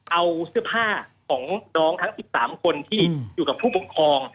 เอาเสื้อผ้าของน้องทั้ง๑๓คนที่อยู่กับผู้ปกครอง